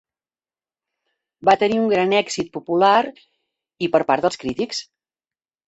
Va tenir un gran èxit popular i per part dels crítics.